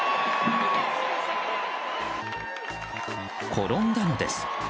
転んだのです。